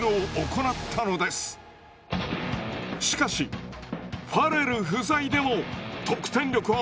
しかしファレル不在でも得点力は落ちません。